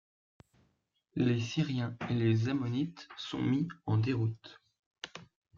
Les Syriens et les Ammonites sont mis en déroute.